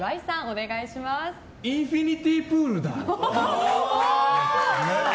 インフィニティープールだ。